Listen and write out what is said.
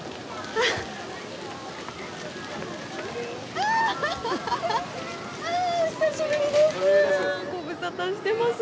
あお久しぶりです！